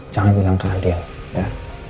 jangan bilang ke andin ya